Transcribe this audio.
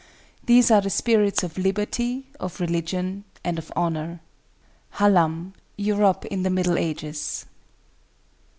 These are the spirits of liberty, of religion, and of honor." —HALLAM, Europe in the Middle Ages.